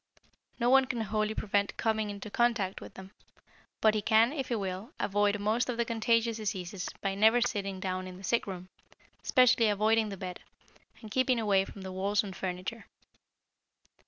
No one can wholly prevent coming into contact with them, but he can, if he will, avoid most of the contagious diseases by never sitting down in the sick room, especially avoiding the bed, and keeping away from the walls and furniture.